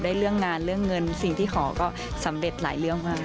เรื่องงานเรื่องเงินสิ่งที่ขอก็สำเร็จหลายเรื่องมาก